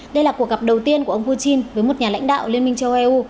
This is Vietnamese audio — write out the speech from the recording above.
đây là cuộc gặp đầu tiên của ông putin với một nhà lãnh đạo liên minh châu âu